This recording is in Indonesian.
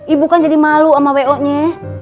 ibu kan jadi malu sama wo nya